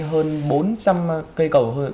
hơn bốn trăm linh cây cầu